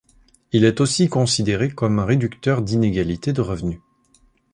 Il est aussi considéré comme un réducteur d'inégalités de revenu.